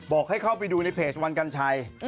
ให้เข้าไปดูในเพจวันกัญชัย